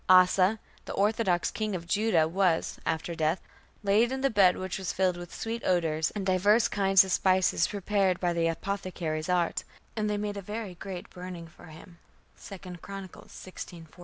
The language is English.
Asa, the orthodox king of Judah, was, after death, "laid in the bed which was filled with sweet odours and divers kinds of spices prepared by the apothecaries' art: and they made a very great burning for him" (2 Chronicles, xvi, 14).